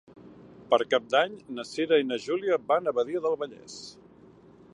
Per Cap d'Any na Cira i na Júlia van a Badia del Vallès.